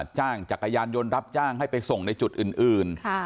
จ้างจักรยานยนต์รับจ้างให้ไปส่งในจุดอื่น